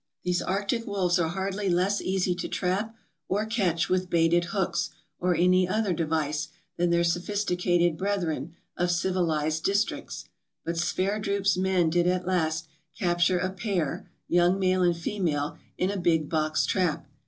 " These arctic wolves are hardly less easy to trap or catch with baited hooks, or any other device, than their sophisticated brethren of civilized districts; but Sverdrup's men did at last capture a pair (young male and female) in a big box trap.